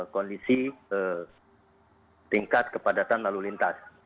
kondisi tingkat kepadatan lalu lintas